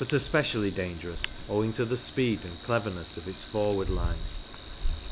especially dangerous owing to the speed and cleverness of its forward line.